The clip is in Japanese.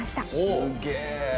すげえ！